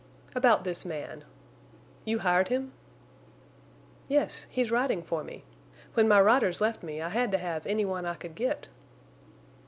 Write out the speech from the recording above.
"About this man. You hired him?" "Yes, he's riding for me. When my riders left me I had to have any one I could get."